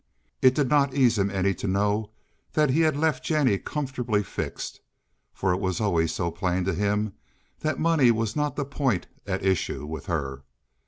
It did not ease him any to know that he had left Jennie comfortably fixed, for it was always so plain to him that money was not the point at issue with her.